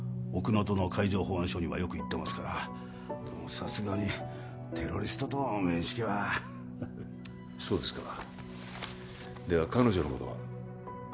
奥能登の海上保安署にはよく行ってますからでもさすがにテロリストと面識はそうですかでは彼女のことは？